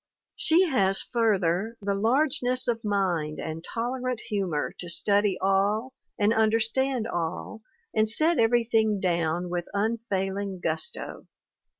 She has further the largeness of mind and tolerant humor to study all and understand all and set every thing down with unfailing gusto.